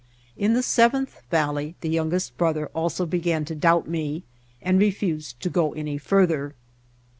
In the seventh valley the youngest brother also began to doubt me and refused to go any further.